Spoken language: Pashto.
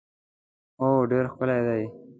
هو ډېر ښکلی دی.